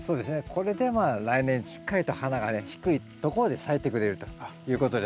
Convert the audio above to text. これで来年しっかりと花がね低いところで咲いてくれるということですね。